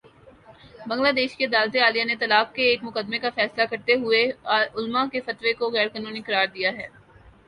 بنگلہ دیش کی عدالتِ عالیہ نے طلاق کے ایک مقدمے کا فیصلہ کرتے ہوئے علما کے فتووں کو غیر قانونی قرار دیا ہے